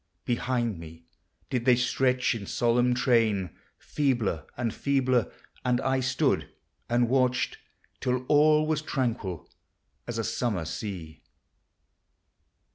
Behind me did they stretch in solemn train, Feebler and feebler; and I stood and watched Till all was tranquil as a summer sea.